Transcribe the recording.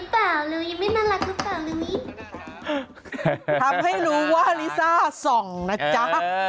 ทำให้รู้ว่าลิซ่า๒นะจ๊ะ